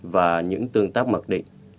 và những tương tác mặc định